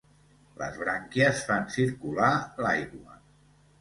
Les brànquies fan circular l'aigua.